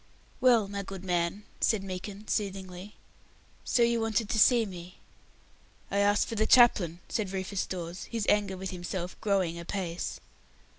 "Well, my good man," said Meekin, soothingly, "so you wanted to see me." "I asked for the chaplain," said Rufus Dawes, his anger with himself growing apace.